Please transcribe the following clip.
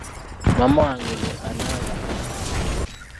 Maama wange ye Ananga Asha.